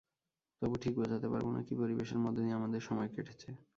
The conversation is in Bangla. তবু ঠিক বোঝাতে পারব না, কী পরিবেশের মধ্যে দিয়ে আমাদের সময় কেটেছে।